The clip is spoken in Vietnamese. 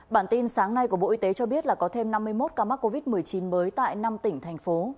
bản tin sáng nay của bộ y tế cho biết là có thêm năm mươi một ca mắc covid một mươi chín mới tại năm tỉnh thành phố